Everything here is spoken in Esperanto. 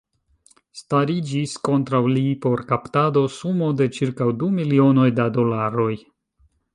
Stariĝis kontraŭ li por kaptado sumo de ĉirkaŭ du milionoj da dolaroj.